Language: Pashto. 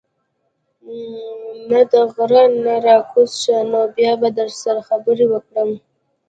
ته د غرۀ نه راکوز شه نو بيا به در سره خبرې وکړم